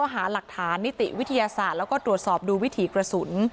หาหลักฐานนิติวิทยาศาสตร์แล้วก็ตรวจสอบดูวิถีกระสุน